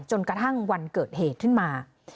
จนกระทั่งวันเกิดเหตุขึ้นมา